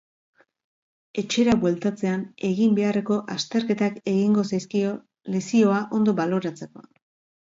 Etxera bueltatzean, egin beharreko azterketak egingo zaizkio lesioa ondo baloratzeko.